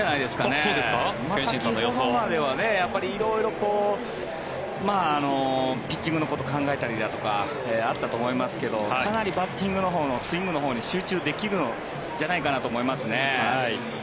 先ほどまでは色々とピッチングのことを考えたりだとかあったと思いますがかなりバッティングのほうのスイングのほうに集中できるんじゃないかなと思います。